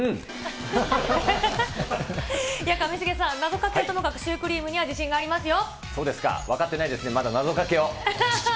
上重さん、謎かけはともかく、シュークリームには自信がありますよ。